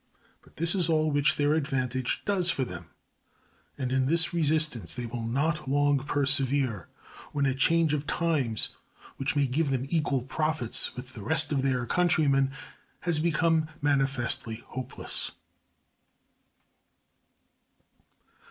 But this is all which their advantage does for them; and in this resistance they will not long persevere when a change of times which may give them equal profits with the rest of their countrymen has become manifestly hopeless.